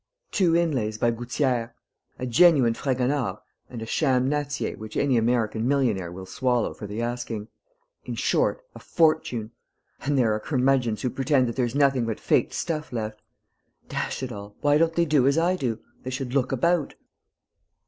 Two inlays by Gouttières.... A genuine Fragonard and a sham Nattier which any American millionaire will swallow for the asking: in short, a fortune.... And there are curmudgeons who pretend that there's nothing but faked stuff left. Dash it all, why don't they do as I do? They should look about!"